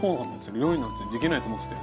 料理なんてできないと思ってたよ」